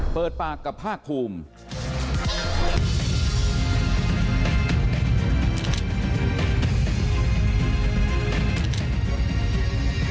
เปิดปากกับภาคภูมิ